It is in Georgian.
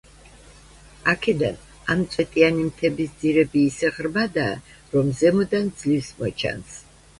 აქედან, ამ წვეტიანი მთების ძირები ისე ღრმადაა, რომ ზემოდან ძლივს მოჩანს.